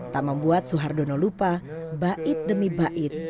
tak membuat suhardono lupa bait demi bait